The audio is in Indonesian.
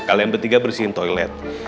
kalian bertiga bersihin toilet